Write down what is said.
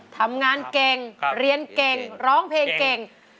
ทำงานเก่งเรียนเก่งร้องเพลงเก่ง